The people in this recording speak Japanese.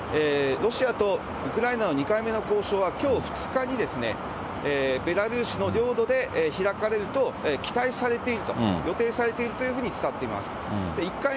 ロシアとウクライナの２回目の交渉は、きょう２日に、ベラルーシの領土で開かれると期待されていると、予定されているというふうに伝わっています。